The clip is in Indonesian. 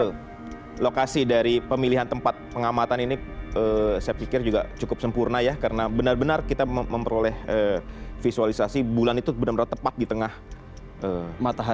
betul lokasi dari pemilihan tempat pengamatan ini saya pikir juga cukup sempurna ya karena benar benar kita memperoleh visualisasi bulan itu benar benar tepat di tengah matahari